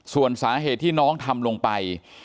ส่วนสาเหตุที่น้องทำลงไป